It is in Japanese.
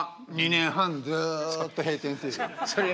２年半ずっと閉店セール。